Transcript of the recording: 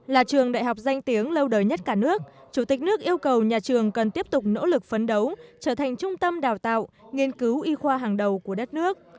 là trường đại học danh tiếng lâu đời nhất cả nước chủ tịch nước yêu cầu nhà trường cần tiếp tục nỗ lực phấn đấu trở thành trung tâm đào tạo nghiên cứu y khoa hàng đầu của đất nước